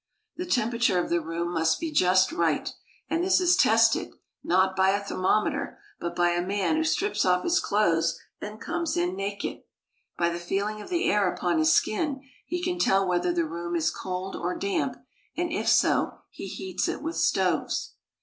The temperature of the room must be just right ; and this is tested, not by a thermometer, but by a man who strips off his clothes and comes in naked. By the feeling of the air upon his skin, he can tell whether the room is cold or damp, and if so, he heats it with stoves.